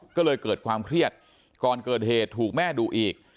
ก็เลยเกิดความเครียดก่อนเกิดเหตุถูกแม่ดุอีก